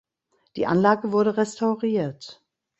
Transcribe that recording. Die Anlage wurde restauriert.